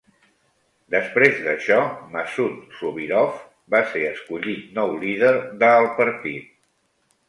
Després d'això, Masud Sobirov va ser escollit nou líder de el partit.